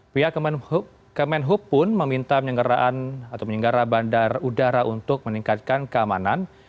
pihak kemenhub pun meminta menyenggara bandara udara untuk meningkatkan keamanan